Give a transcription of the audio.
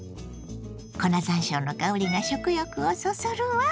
粉ざんしょうの香りが食欲をそそるわ。